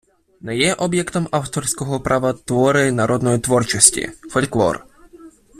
Не є об'єктом авторського права твори народної творчості, фольклор